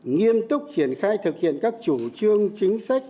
nghiêm túc triển khai thực hiện các chủ trương chính sách